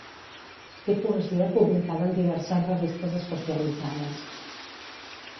Té poesia publicada en diverses revistes especialitzades.